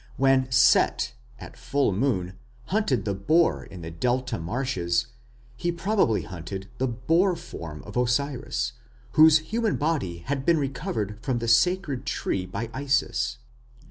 When Set at full moon hunted the boar in the Delta marshes, he probably hunted the boar form of Osiris, whose human body had been recovered from the sacred tree by Isis.